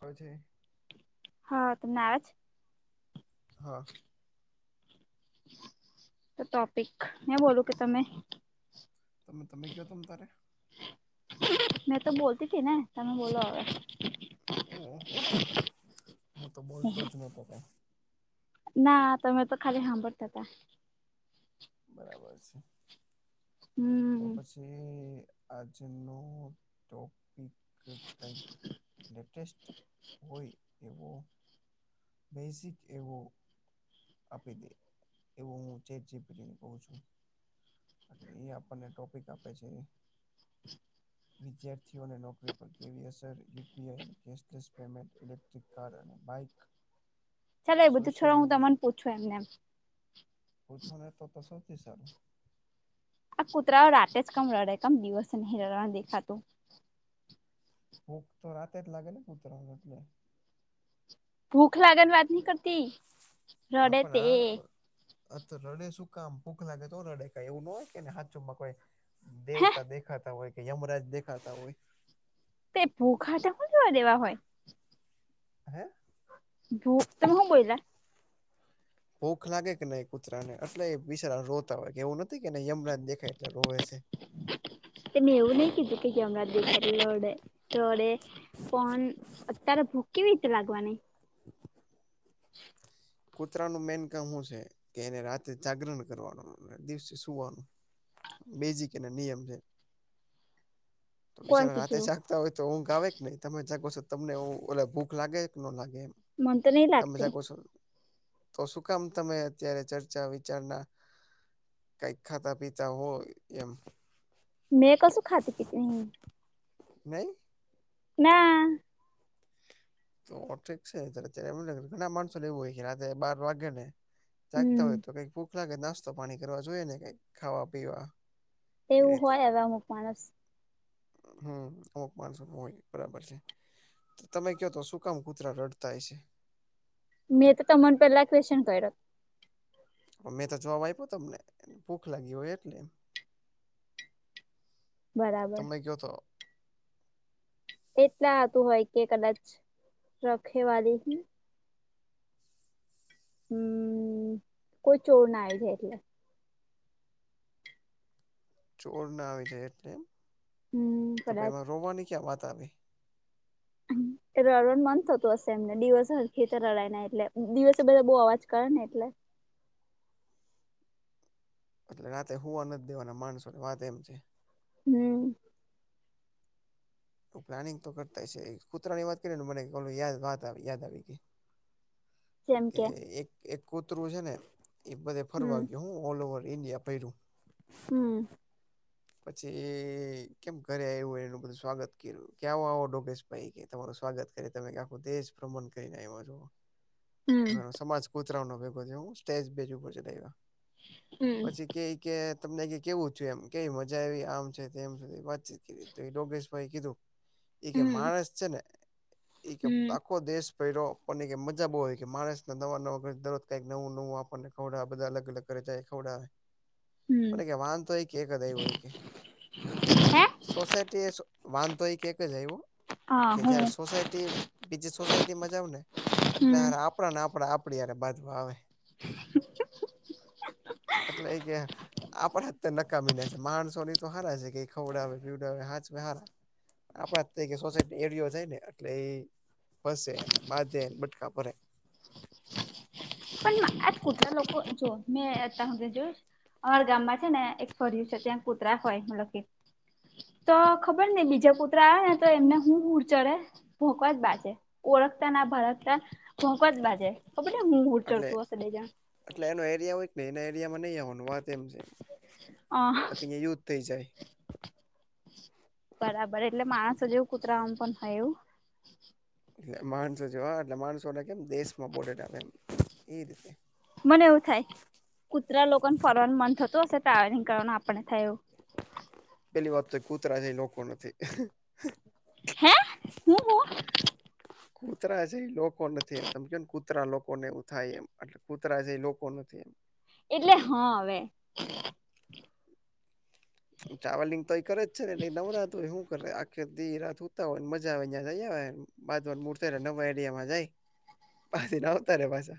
હછી [unintelligible] હા તમને આવે છે. હા તો ટોપિક મેં બોલું કે તમે તમે તમે કયો ત તારે મેં તો બોલતી હતી ને તમે બોલો હવે ઓહહ હું તો બોલતો જ ન હતો તો ના તમે તો ખાલી સાંભળતા હતા. બરાબર છે. તો હમ પછી આજનું ટોપિક કંઈક લેટેસ્ટ હોય એવો બેઝિક એવો આપી દે એવું હું ચેટજીપીટીને કઉ છું. એટલે એ આપણને ટોપિક આપે છે. [inaudible] વિદ્યાર્થીઓને નોકરી પર કેવી અસર UPI cashless payment electric car અને બાઇક ચાલો એ બધું સોશિયલ છોડ હું મીડિયા તમાને પૂછું એમનેમ પૂછો ને તો તો સૌથી સારું આ કૂતરાઓ રાતે જ કમ રડે કમ દિવસે નહીં રડવા દેખાતું ભૂખ તો રાતે જ લાગે ને કૂતરવાનું એટલે. ભૂખ લાગ ની વાત ન કર આપ આપ. અ તો રડે શું કામ ભૂખ લાગે તો રડે કઈ એવું ન હોય કેને હાચુમાં કોઈ હે દેવતા દેખ ખાતા હોય કે યમરાજ દેખાતા હોય. તે ભૂખા જોવા દેવા હોય. હે? ભૂ તમે હું કોલા? ભૂખ લાગે કે નહી કુતરાને એટલે એ વિચારા રોતા હોય કે એવું નથી કે યમનાને દેખાય એટલે રોવે છે. એ મે એવું નઈ કીધું કે હમણાં દેખા રોડે રોડે. પણ અત્યારે ભૂખ કેવી રીતે લાગવાની? થ [inaudible] કૂતરાનું મેન કામ શું છે કે એને રાતે જાગરણ કરવાનું દિવસે સુવાનું. બેઝીકેલી નિયમ છે. [inaudible] તો વિચારો રાતે કીધું શાક તા હોય તો ઊંગ આવે કે નહી તમે જાગો છો તમને ઓ ભૂખ લાગે કે ન લાગે એમ. મન તો નહી તમે લાગતી. જાગો છો તો શું કામ તમે અત્યારે ચર્ચા વિચારણા કઈક ખાતા પીતા હોય એમ. મેં કસું ખાતી પીતી નહી. નહી? ના. તો ઠીક છે ત્યારે એમે ઘણા માણસો લેવું હોય કે રાતે બાર વાગેને જાગતા હોય હમ તો કઈક ભૂખ લાગે નાસ્તો પાણી કરવા જોઈએ ને કઈક ખાવા પીવા. એ તેવું હોય હવે અમુક માણસ. હમ્મ અમુક માનસો માં હોય બરાબર છે. તમે કહો તો શું કામ કૂતરા કરડતાય હશે? મેં તો તમને પેલા ક્વેશ્ચન કર્યો. મેં તો જવાબ આપ્યો તમને ભૂખ લાગી હોય એટલે. [inaudible] તમે કયો તો. એટલાતું હોય કે કદાચ રખેવાલી થી. હમ્મ, કોઈ ચોર ના આવી જાય એટલે. ચોર ના આવી જાય એટલે એમ? હમ તો કદાચ એમાં રોવાની ક્યાં વાત આવે? રડવાનું મન થતું હશે એમને દિવસ હર રડાય ને એટલે દિવસે બધા બહુ અવાજ કરે ને એટલે. એટલે રાતે હોવા નથી જ દેવાના માણસો ને વાત એમ છે. હમ્મ. પ્લાનિંગ તો કરતા હયશે કૂતરાની વાત કરી ને મને યા વાત યાદ આવી ગઈ. કે એક કૂતરું છે ને એ બધે ફરવા હમ ગયો હું ઓલ ઓવર ઈન્ડિયા. ફર્યું. હમ્મ. પછી કેમ ઘરે આવ્યું હોય એનું બધું સ્વાગત કરયુ. કેવો યોગેશભાઈ કે તમારું સ્વાગત કરે તમે આખો દેશ ભ્રમણ કરીને એમાં જો હમ ઘ સમાજ કૂતરાનો ભેગો [inaudible] સ્ટેજ બેજ ઉપર ચડ હમ પછી કે કે તમને કેવું થયુ એમ કેવી મજા એ આમ છે સુ વાતચીત કરી તો યોગેશ ભઈ કીધું એ કે હમ માણસ છે ને એક હમ આખો દેશ ફર્યો આપણને મજા બવ આયવી કે માણસને નવા નવા દરજ કઈક નવું નવું આપણને ખવડા બધા અલગ અલગ કરેતા ખવડાવ હમ મ કે વાંધ તો હોય, કે જ એ હોય કે હે સોસાયટી એ વાંધ તો એ એકક જ એવું. હા કે હું જયારે સોસાયટી બીજી સોસાયટીમાં જાવ ને, એટલે હમ આપ આપણા ને આપ આપડી બાજવા આવે. એટલે કે આપ અત ન કામી ના છે માણસો ની તો હારા છે કે ખવડાવે પીવડાવ હાચ હારા. આપણા થ સોસાયટી એરિયો છે ને એટલે એ ફસે અને બાંધેને બટકા ભરે. પણ આજ કુટલા લોકો જો મેં હ જો. અમારા ગામમાં છે ને એક ફર છે ત્યાં કૂતરા હોય મતલબ કે. તો ખબર ને બીજા કુત્ર આવે ને તો એમને હું ઉર ચડે. ભોંકવા જ બાજે ઓળખતા ના ભળકતા, ભોંકવા જ બાજે ખબર ને હું એટલે ચતું આ સાે જણ. એટલે એનો એરિયા હોયને એના એરિયામાં નહી આવવાનું વાત એમ છે, અ બાકી યુ તે જાય. બરાબર એટલે માણસો જેવું કૂતરામ પણ હોય એવું. એટલે માણસો જોવા એટલે માણસોને કેમ દેશમાં બોડટ આવે એમ એ રીતે. મને એવું થાય, કુતરા લોકોને ફોરવાર મન થતું હશે ટ્રાવેલિંગ કરવાનું આપણને થાય એવું. પેલી વાત તો કૂતરા છે લોકો નથી. હે હું હું કુતરા છે એ લોકો નથી એમ ત કે ને કત કૂતરા લોકો ને એ થાય એમ એટલે કૂતરા જે એ લોકો નથી એમ. એટલે હા હવે. ચાવલિંગ તો એ કરે જ છે ને એ નવરા હો શું કરે આખ દી રાત ઉતા હોય ને મજા આવે અહં જઈ આવે. બાદવાર મૂરતા નવા એરિયામાં જાય, પાછીને આવતા રે પાછા.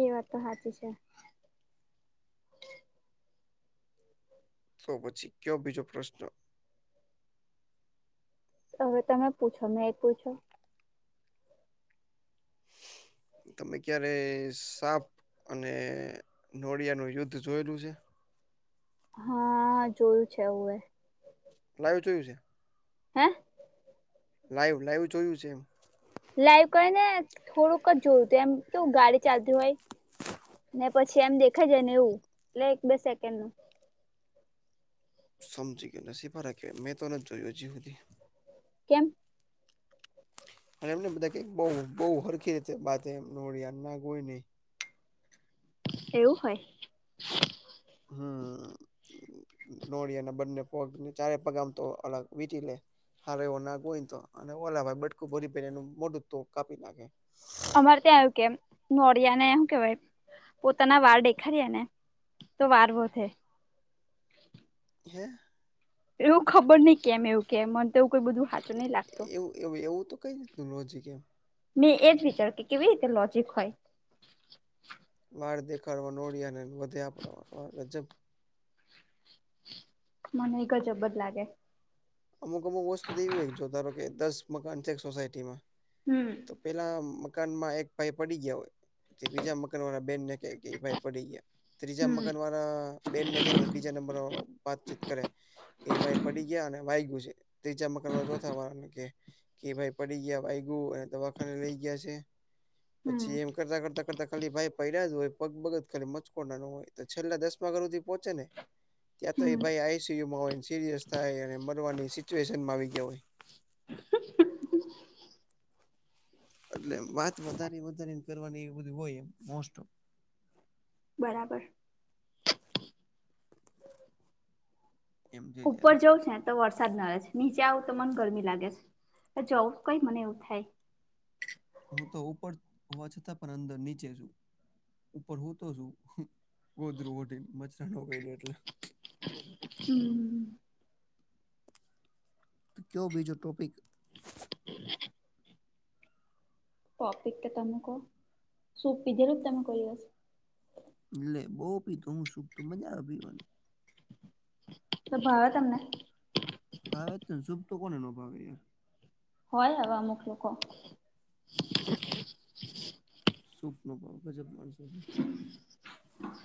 એ વાત તો સાચી છે. તો પછી કયો બીજો પ્રશ્ન? હવે તમે પૂછો મેં એ પૂછો. તમે ક્યારે સાપ અને નોળિયાનું યુદ્ધ જોયેલું છે? હા જોયું છે હું એ. લાઈવ જોયું છે? હ? લાઈવ લાઈવ જોયું છે એમ લાઈવ કરી ને થોડુંક જ જોયુંતુ એમ તો ગાડી ચાલતી હોય. ને પછી એમ દેખાય જાય ને એવું એટલે એક બે સેકન્ડ નું સમજી ગયો નસીફાર કે મેં તોને જોયું હજી હુધી કેમ અને એમને બધા કક બઉ બહુ હરખી રીતે બાત એમન [unintelligible] હોય નહી એવું હોય હમ્મ, નોળયાના બંને પગને ચારે પગ આમ તો અલગ વીતી લે હારો એવો નાગ હોય તો અને ઓલા ભાઈ બટકું ભરી ભ એનું મોટું તો કાપી નાખે અમારે ત્યાં આવ્યું કે નોરિયાને એું કેહેવાય પોતાના વાર દેખા્યા ને તો વાળ વધે હે એવું ખબર નઈ કેમ એવું કે તેવું કોઈ બધું હાચું નહી લાગતું. એવું એવું એવું તો કઈ રીતનું લોજીક એમ મેં એજ વિચાર કે કેવી રીતે લોજિક હોય. વાળ દેખાડવા નોળિયા અને વધે આપડ વાહ ગજબ મને એક જ અબજ લાગે, અમુક અમુક વસ્તુ તો એવી હોય જો ધારો, કે દસ મકાન છે એક સોસાયટીમાં, હમ્મ તો પેલા મકાનમાં એક પઇ [unintelligible] પડી ગયા હોય, તે બીજા મકાન વાળા બેનને કેય કે ભાઈ પડી ગયા ત્રીજા હમ મકાન વાળા, આ બેનને છે ને બીજા નંબર વાતચીત કરે કે ભાઈ પડી ગયાને. વાયગું છે ત્રીજા મકાન વાયા ચોથા વાર કે, કે ભાઈ પડી ગયા વાગ્યું અને દવાખાને લઈ ગયા છે, હમ પછી એમ કરતા કરતા, કરતા ખાલી ભાઈ પડ્યા હોય પગ બગ ખાલી મચકો નાનો હોય તો છેલ્લા દસ ગધ પહોચે ને, ત્યાં તો હમ ભાઈ આઈસીયુમાં હોય ને સિરિયસ થાય અને મરવાની સિચ્યુએશનમાં આવી ગયા હોય. એટલે વાત વધારે વધારે કરવાની એ બધી હોય એમ મો ઓફ, [unintelligible] બરાબર. [inaudible] એમ જો ત્યારે ઉપર જઉ છે ને, તો વરસાદ ન રહે છે નીચે આવું તો મને ગરમી લાગે છે જવું કઈ મને એવું થાય. હું તો ઉપર હોવા છતાં પણ અંદર નીચે છું. ઉપર હું તો શું ગો ગોદરૂ ઓઢિ ને મચ્છરો ન કરડે એટલે, હમ તો ક્યૉ બીજો ટોપિક, ટોપીક તો તમે કહો સૂપ પીધેલું કોઈક વાર, ટ [unintelligible] લલે બહુ પીતો હું સુખ મજા આવે પીવાની, તો ભાવે તમને, ભાવે ને સુપ તો કોને ન ભાવે, હોય આવા અમુક લોકો, સૂપ નો ભાવ ગજબ માણસો છે.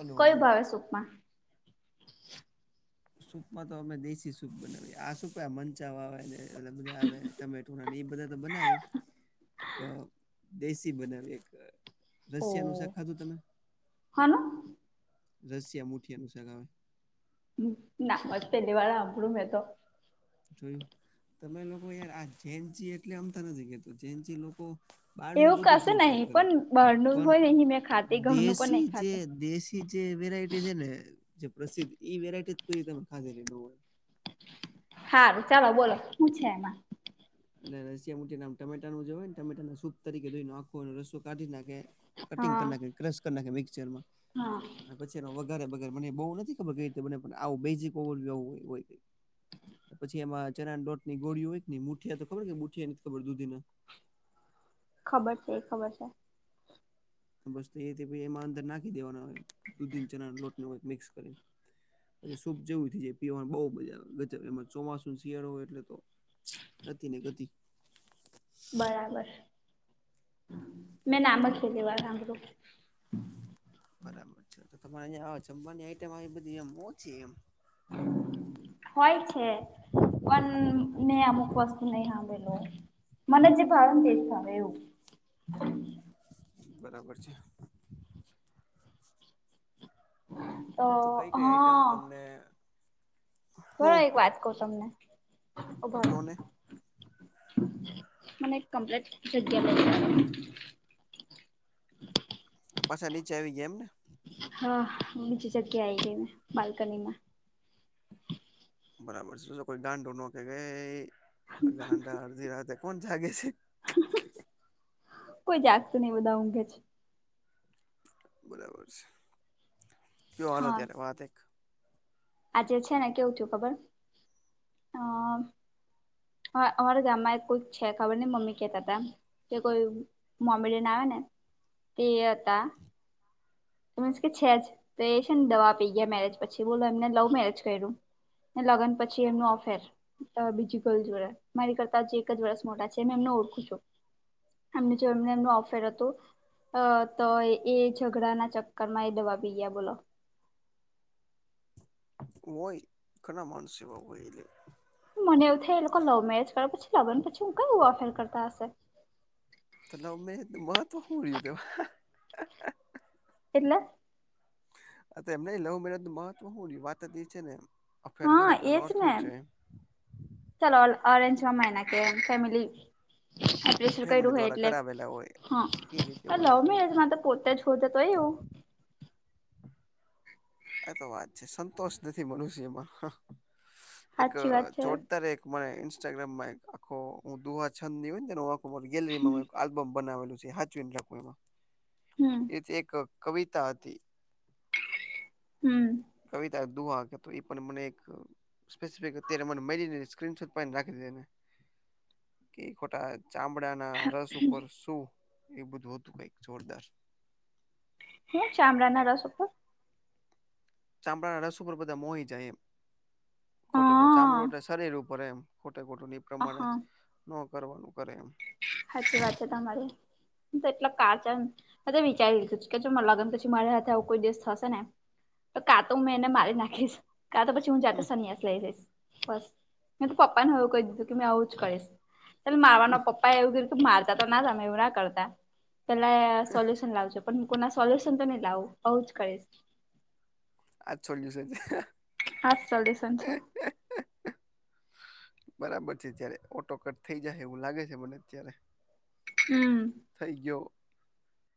ઓલો કયું ભાવે સુપમા? સૂપમાં તો અમે દેશી સૂપ બનાવીએ આ સૂપ મંચા આવે બધા આવે. એ બધા તો બનાવે, પક દેશી બનાવી એક રશિયાનું શાક ખાધું તમે, હાલો. રસિયા મુઠીનુ સાક આવે. ના [unintelligible] અબડું મે તો. જોયું તમે લોકો યાર આ જેનજી એટલે અમતા નથી કેતો જેનજી લોકો, બારને એવું બધું કશું પૂરચાય નહી કરે પણ બહારનું પણ હોય નહી મેં ખાતી ઘરનું પણ દેશી નહી જે ખાતું દેશી, જે વેરાયટી છે ને જે પ્રસિદ્ધ ઈ વેરાયટી કોઈ તમે ખાધેલી ન હોય. હાર ચાલો બોલો શું છે એમાં? એટલે રસિયા મુઠીયા નું આમ ટમેટાનું જોય ને ટમેટા સૂપ તરીકે ધોને આખો અલો રસો કાઢી નાખે, કટિંગ હા કરી નાખે ક્રશ કરી નાખે મિક્સચરમાં, હા. પછી એનો વગારે વગરે મને બહુ નથી ખબર કે રીતે મને પણ આવું બેઝિક ઓવ હોય, પછી એમાં ચના લોટ ની ગોળી હોય ને મુઠિયા તો ખબર કે મુઠીયા ખબર દૂધીના, ખબર છે એ ખબર છે. બસ એથી એમાં અંદર નાખી દેવાનું હોય દૂધી ન ચણા લોટ ન હોય મિક્સ કરીને, પછ સૂપ જેવું એ પીવાનું બહ મજા આવે ગજબ એમાં ચોમાસું શિયાળો હોય એટલે તો, ગતિ ને ગતિ. બરાબર મેં નામ લખી લેવા ગામડું. બરાબર, તમારે જમવાની આઈટમ આવી બધી એમ ઓછી એમ [inaudible] હોય છે પણ મેં અમુક વસ્તુ નહી સાંભળેલું મને જે ભાવ તે ભાવે એવું. બરાબર છે. તો કઈ કઈ આઈટમ હા તમને બ હું એક વાત કહૂ તમને ઉભારો. કયો ને મને એક કમ્પ્લીટ જગ્યા બે તો પાછા નીચે આવી ગયા એમને. હા બીજી જગ્યા એ જઈ ને બાલ્કનીમાં. બરાબર છે શું કોઈ ગાંડો ન કે ગઈ ગાંડા અડધી રાતે કોણ જાગે છે. કોઈ જાગતું નઈ બધા ઊઘે છે. બરાબર છે જોવાનો હા ત્યારે વાત આજે છે ને કેવું થયું ખબર હમ. હા અમારા ગામમાં એક કોક છે ખબર નય મમ્મી કેતા હતા. કે કોઈ મોમિડિન આવે ને તે હતા. મ કે છે જ તો એ છે ને દવા આપી ગયા મેરેજ પછી બોલો એમને લવ મેરેજ કર્યું. લગ્ન પછી એમનું અફેર બીજીું ગલ જોડે મારી કરતા હ એક જ વરસ મોટા છે મે એમને ઓળખું છું. એમ જમને એમનું અફેર હતું અ તો એ ઝઘડાના ચ ચક્કરમાં એ દવા પી ગયા બોલો. હોય ઘણા માણસો એવા હોય એ લ મને એવું થ એ લોકો લવ મેરેજ કરે પછી લવને પછી હું કેમનું અફેર કરતા હશે. તો લવ મેરેજનું મહત્ત્વ હું રહ્યું તો એટલા. એમને લવનું મહત્વ શું રયુ વાતએ છે. અફેર હા કરે તો એનો એજ અર્થ ને હું છે ચાલ અરેન્જમા એના કે ફેમિલી આપસ કર્યું ફેમિલી હ દ્વારા એટલે કરાવેલા હોય હા એ રીતે લવ હોય મેરેજમાં તો પોતે જ શોધે તોય એવું એતો વાત છે સંતોષ નથી મનુષ્યમાં એક સાચી વાત છે જોરદાર એક મ ઇન્સ્ટાગ્રામમાં એક આખો હું દુહા છંદ રી ગેલેરી માં આલ્બમ બનાવેલું છે સાચવી રાખ એમાં એ હમ રીતે એક કવિતા હતી. હમ. કવિતા દુહા કે તો એ પણ મને એક સ્પેસફિક અત્યારે મને મળને સ્ક્રીનશોટ રાખી દીધેને કે ખોટા ચામડાના રસ ઉપર શું એ બધું હતું કઈક જોરદાર હમ ચામડાના રસ ઉપર ચામડાના રસ ઉપર બધા મોહી જાય એમ હ ખોટું ખોટું ચામડું એટલે શરીર ભરે એમ ખોટે ખોટું પ્રમાણે હા ન કરવાનું કરે એમ. સાચી વાત છે તમારી. તો એટલા કાચા મેં તો વિચારી લીધું કે જો લગ્ન પછી મારી સાથે આવું કોઈ દિવસ થશે ને તો કાં તો હું એને મારી નાખીશ કા તો પછી હું જાતે સંન્યા લઈ લઈશ બસ મે તો પપ્પા ને એવું કહી દીધું કેું આવું જ કરીશ ત મારવાનો પપ્પા એવું મારતા તો ના તમે એવું ના કરતા પેલા સોલ્યુશન લાવજો. પણ કોના સોલ્યુશન તો નહી લાવું આવું જ કરીશ. આ સોલ્યુશન છે. આ જ સોલ્યુશન છે. બરાબર છે જયારે ઓટો કટ થઇ જાય એવું લાગે છે મને અત્યારે હમ. થઈ ગયો.